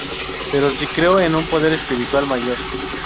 Pero sí creo en un poder espiritual mayor.